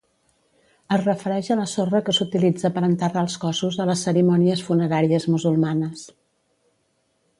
Es refereix a la sorra que s'utilitza per enterrar els cossos a les cerimònies funeràries musulmanes.